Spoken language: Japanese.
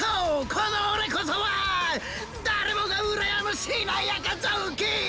このオレこそはだれもがうらやむしなやかぞうき！